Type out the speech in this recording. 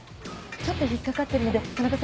ちょっと引っ掛かってるので。